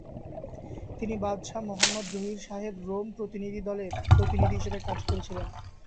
তিনি বাদশাহ মোহাম্মদ জহির শাহের রোম প্রতিনিধি দলের প্রতিনিধি হিসেবে কাজ করেছিলেন।